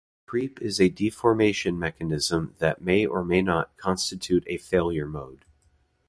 Creep is a deformation mechanism that may or may not constitute a failure mode.